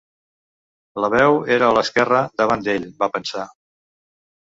La veu era a l'esquerra davant d'ell, va pensar.